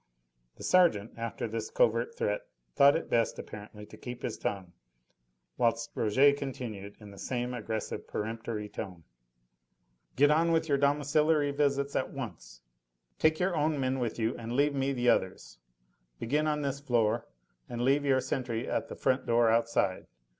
The sergeant, after this covert threat, thought it best, apparently, to keep his tongue, whilst Rouget continued, in the same aggressive, peremptory tone: "Get on with your domiciliary visits at once. Take your own men with you, and leave me the others. Begin on this floor, and leave your sentry at the front door outside.